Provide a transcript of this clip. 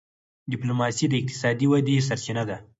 ډيپلوماسي د اقتصادي ودي سرچینه ده.